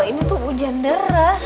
ini tuh hujan deres